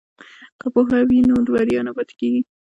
که پوهه وي نو بریا نه پاتې کیږي.